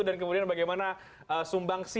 dan kemudian bagaimana sumbangsi